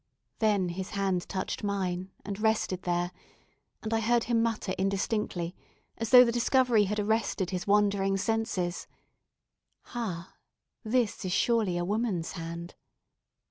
Then his hand touched mine, and rested there, and I heard him mutter indistinctly, as though the discovery had arrested his wandering senses "Ha! this is surely a woman's hand."